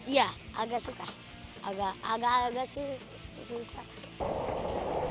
iya agak suka agak agak sih susah